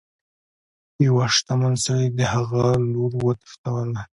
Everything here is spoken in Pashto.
یوه شتمن سړي د هغه لور وتښتوله.